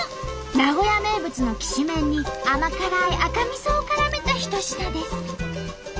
名古屋名物のきしめんに甘辛い赤みそをからめた一品です。